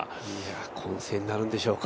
混戦になるんでしょうか。